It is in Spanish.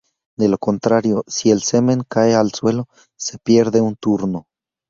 De lo contrario si el semen cae al suelo, se pierde un turno.